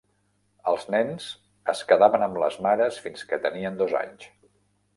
Els nens es quedaven amb les mares fins que tenien dos anys.